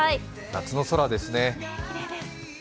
夏の空ですね。